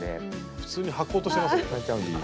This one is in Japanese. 普通にはこうとしてますね。